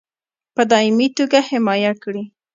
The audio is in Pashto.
په دایمي توګه حمایه کړي.